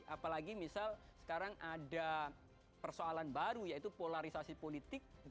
apalagi misal sekarang ada persoalan baru yaitu polarisasi politik